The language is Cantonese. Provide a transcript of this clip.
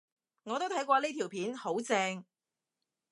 我都睇過呢條片，好正